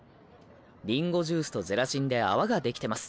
りんごジュースとゼラチンで泡ができてます。